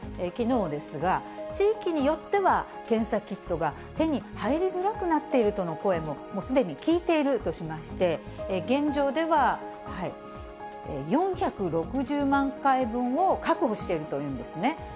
きのうですが、地域によっては検査キットが手に入りづらくなっているとの声もすでに聞いているとしまして、現状では４６０万回分を確保しているというんですね。